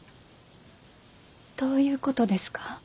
どういうことですか？